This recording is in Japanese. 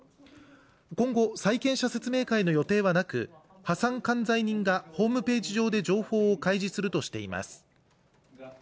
今後、債権者説明会の予定はなく、破産管財人がホームページ上で情報を開示するとしています。